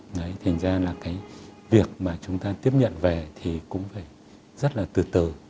đấy thành ra là cái việc mà chúng ta tiếp nhận về thì cũng phải rất là từ từ